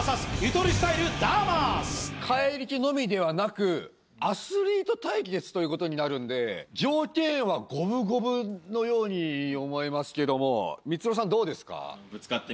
怪力のみではなくアスリート対決ということになるんで条件は五分五分のように思えますけどもミツロさんどうですか？